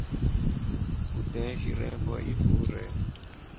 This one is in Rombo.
Uteeshirefo ifure.